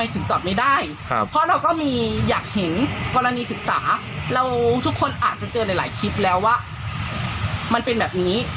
ทุกคนอาจจะเจอในหลายคลิปแล้วว่ามันเป็นแบบนี้